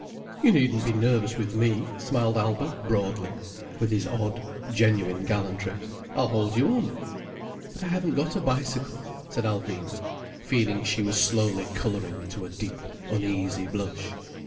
"You needn't be nervous with me," smiled Albert broadly, with his odd, genuine gallantry. "I'll hold you on." "But I haven't got a bicycle," said Alvina, feeling she was slowly colouring to a deep, uneasy blush.